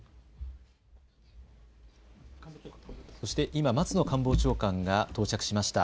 今、松野官房長官が到着しました。